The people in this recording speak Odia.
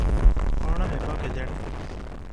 କଣ ହେବ କେଜାଣି?